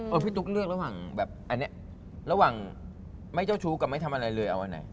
พี่ตุ๊กเลือกระหว่างแบบอันนี้ระหว่างไม่เจ้าชู้กับไม่ทำอะไรเลยเอาอันไหน